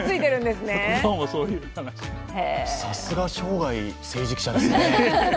さすが生涯・政治記者ですね。